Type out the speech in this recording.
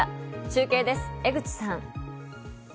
中継です、江口さん。